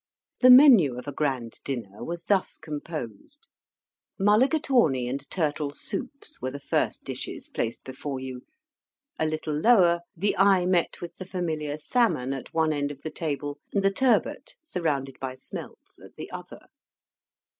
The menu of a grand dinner was thus composed: Mulligatawny and turtle soups were the first dishes placed before you; a little lower, the eye met with the familiar salmon at one end of the table, and the turbot, surrounded by smelts, at the other.